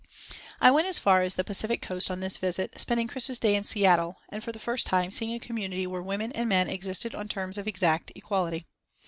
I went as far west as the Pacific Coast on this visit, spending Christmas day in Seattle, and for the first time seeing a community where women and men existed on terms of exact equality.